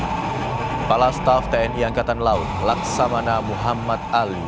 kepala staff tni angkatan laut laksamana muhammad ali